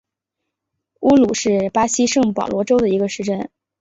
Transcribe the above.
乌鲁是巴西圣保罗州的一个市镇。